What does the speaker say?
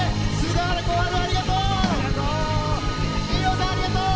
雅、ありがとう！